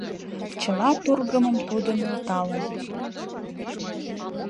Чыла тургымым тудо нӧлталын.